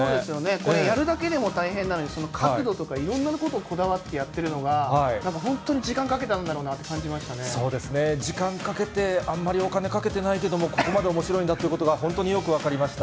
これ、やるだけでも大変なのに、角度とか、いろんなことをこだわってやってるのが、なんか本当に時間かけたんだろうなって感じまそうですね、時間かけて、あんまりお金かけてないけども、ここまでおもしろいんだということが、本当によく分かりました。